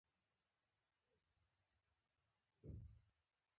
غرونه د افغانستان په تاریخ کې د دفاعي مورچلونو حیثیت لري.